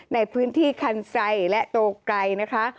ในพื้นที่คันไซและโตไกรนะคะ